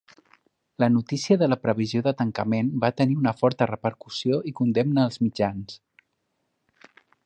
La notícia de la previsió de tancament va tenir una forta repercussió i condemna als mitjans.